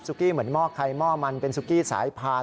กี้เหมือนหม้อใครหม้อมันเป็นซุกี้สายพาน